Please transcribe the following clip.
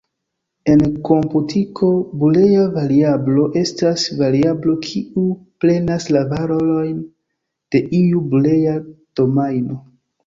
En komputiko, bulea variablo estas variablo kiu prenas valorojn de iu bulea domajno.